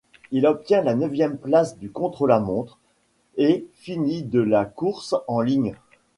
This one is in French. Il obtient la neuvième place du contre-la-montre et finit de la course en ligne.